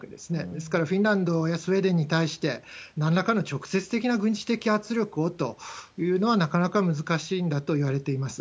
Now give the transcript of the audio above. ですから、フィンランドやスウェーデンに対してなんらかの直接的な軍事的圧力をというのは、なかなか難しいんだといわれています。